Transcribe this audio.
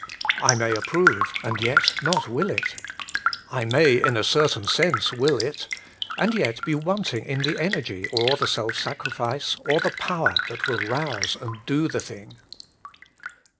I may approve, and yet not will it. I may in a certain sense will it, and yet be wanting in the energy, or the self sacrifice, or the power that will rouse and do the thing.